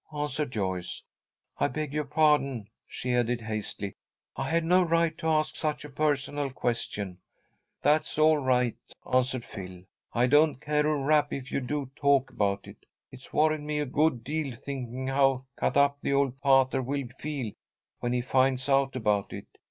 answered Joyce. "I beg your pardon," she added, hastily. "I had no right to ask such a personal question." "That's all right," answered Phil. "I don't care a rap if you do talk about it. It's worried me a good deal thinking how cut up the old pater will feel when he finds out about it.